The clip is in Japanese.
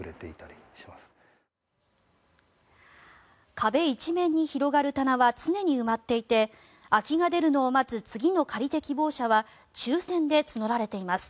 壁一面に広がる棚は常に埋まっていて空きが出るのを待つ次の借り手希望者は抽選で募られています。